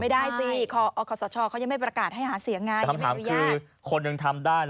ไม่ได้สิอสชเขายังไม่บรรกาศให้หาเสียงไง